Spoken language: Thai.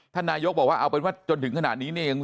ท่านนายกรัฐมนตรีบอกว่าเอาเป็นว่าจนถึงขนาดนี้เนี่ย